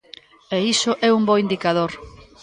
E iso é un bo indicador.